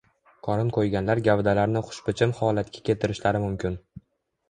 Qorin qo‘yganlar gavdalarini xushbichim holatga keltirishlari mumkin.